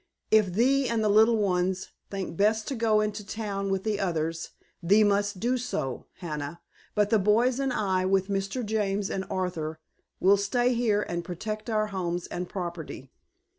"If thee and the little ones think best to go into the town with the others, thee must do so, Hannah, but the boys and I, with Mr. James and Arthur, will stay here and protect our homes and property."